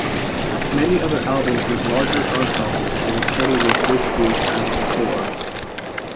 Many other albums with larger ensembles were recorded with this group as the core.